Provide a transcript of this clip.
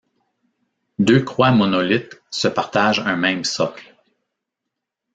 Deux croix Monolithes se partageant un même socle.